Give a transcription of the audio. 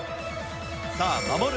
さあ守る